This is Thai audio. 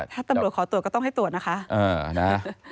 ถ้าตำรวจขอตรวจก็ต้องให้ตรวจนะคะ